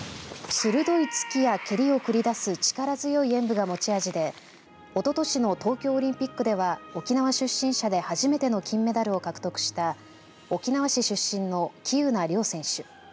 鋭い突きや蹴りを繰り出す力強い演舞が持ち味でおととしの東京オリンピックでは沖縄出身者で初めての金メダルを獲得した沖縄市出身の喜友名諒選手。